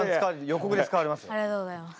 ありがとうございます。